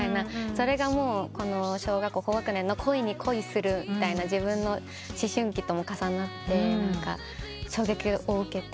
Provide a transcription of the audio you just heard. それが小学校高学年の恋に恋するみたいな自分の思春期とも重なって衝撃を受けて。